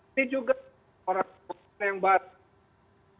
ini juga orang yang banyak